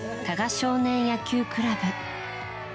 少年野球クラブ。